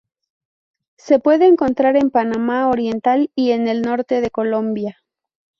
Se puede encontrar en Panamá oriental y en el norte de Colombia.